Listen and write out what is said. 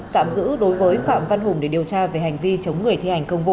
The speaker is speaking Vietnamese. tạm giữ đối với phạm văn hùng để điều tra về hành vi chống người thi hành công vụ